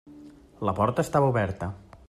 La porta estava oberta.